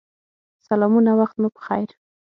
سلامونه وخت مو پخیر